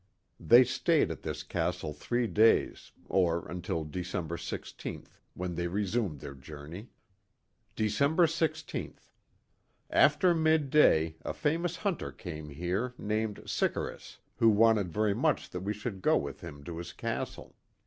They stayed at this castle three days, or until December l6th, when they resumed their journey. Dec. i6th. — After midday, a famous hunter came here, named Sickarus, who wanted very much that we should go with him to his Castle.